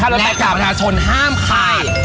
และเฉพาะภรราชนห้ามค่าย